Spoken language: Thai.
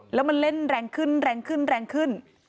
แล้วมันเล่นแรงขึ้นแรงขึ้นแรงขึ้น